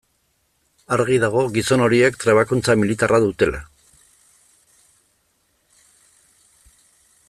Argi dago gizon horiek trebakuntza militarra dutela.